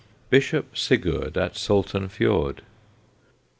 BISHOP SIGURD AT SALTEN FIORD.